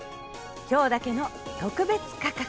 今日だけの特別価格。